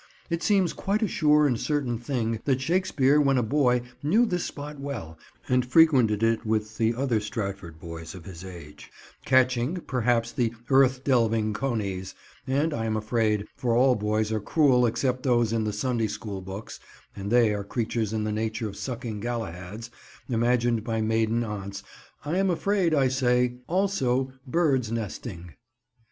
It seems quite a sure and certain thing that Shakespeare when a boy knew this spot well and frequented it with the other Stratford boys of his age; catching, perhaps the "earth delving conies," and I am afraid—for all boys are cruel except those in the Sunday school books, and they are creatures in the nature of sucking Galahads imagined by maiden aunts—I am afraid, I say, also birds' nesting.